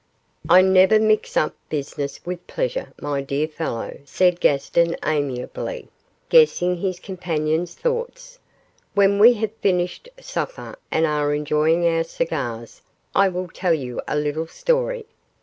'I never mix up business with pleasure, my dear fellow,' said Gaston, amiably, guessing his companion's thoughts; 'when we have finished supper and are enjoying our cigars, I will tell you a little story.